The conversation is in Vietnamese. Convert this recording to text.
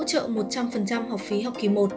hỗ trợ một trăm linh học phí học kỷ i